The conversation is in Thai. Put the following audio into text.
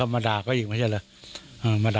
เรื่องอะไรครับ